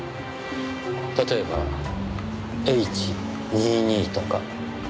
例えば「Ｈ２２」とか。